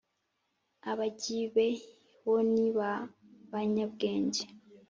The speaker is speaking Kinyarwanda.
abagibe woni ba banyabwenge